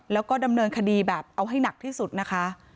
แล้วก็ดำเนินคดีแบบเอาให้หนักที่สุดนะคะ